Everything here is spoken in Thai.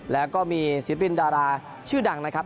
และก็มีศิษย์บิลดาราชื่อดังนะครับ